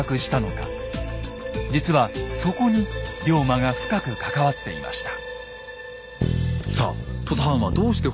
実はそこに龍馬が深く関わっていました。